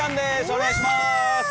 お願いします。